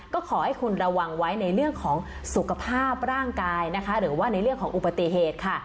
ก็ขอให้คุณระวังไว้ในเรื่องของสุขภาพร่างกายนะคะหรือว่าในเรื่องของอุบัติเหตุค่ะ